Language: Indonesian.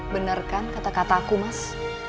bener kan kata kataku mas